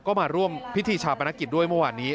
ก็มาร่วมพิธีชาปนกิจด้วยเมื่อวานนี้